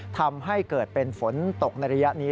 ทำให้เกิดเป็นฝนตกในระยะนี้